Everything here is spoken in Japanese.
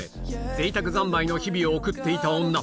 贅沢ざんまいの日々を送っていた女